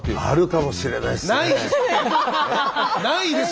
あるかもしれないっすね。